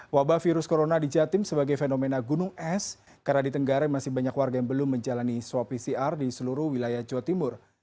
wabah virus corona di jatim sebagai fenomena gunung es karena di tenggara masih banyak warga yang belum menjalani swab pcr di seluruh wilayah jawa timur